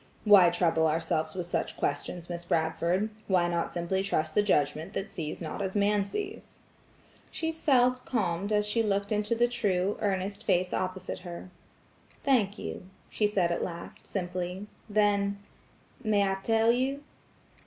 "Why trouble ourselves with such questions, Miss Bradford? Why not simply trust the judgment that sees not as man sees?" She felt calmed as she looked into the true, earnest face opposite her. "Thank you," she said at last, simply. Then– "May I tell you?"